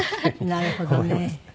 なるほどね。